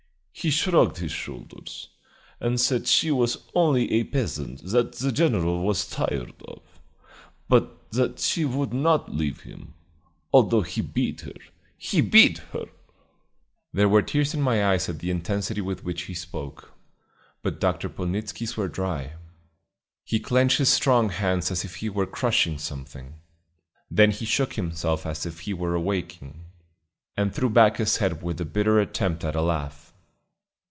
He shrugged his shoulders, and said she was only a peasant that the general was tired of, but that she would not leave him, although he beat her. He beat her!" There were tears in my eyes at the intensity with which he spoke, but Dr. Polnitzski's were dry. He clenched his strong hands as if he were crushing something. Then he shook himself as if he were awaking, and threw back his head with a bitter attempt at a laugh.